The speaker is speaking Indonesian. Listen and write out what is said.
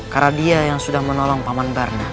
karena dia yang sudah menolong paman barna